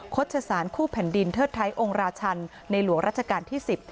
ชศาลคู่แผ่นดินเทิดไทยองค์ราชันในหลวงราชการที่๑๐